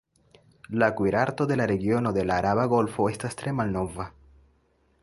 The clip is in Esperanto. La kuirarto de la regiono de la araba golfo estas tre malnova.